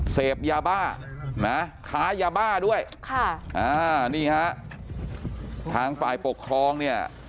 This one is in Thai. เสพยาบ้านะค้ายาบ้าด้วยค่ะอ่านี่ฮะทางฝ่ายปกครองเนี่ย